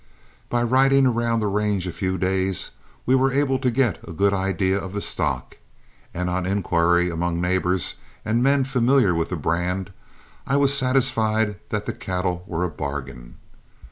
By riding around the range a few days we were able to get a good idea of the stock, and on inquiry among neighbors and men familiar with the brand, I was satisfied that the cattle were a bargain.